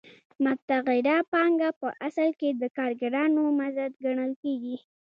متغیره پانګه په اصل کې د کارګرانو مزد ګڼل کېږي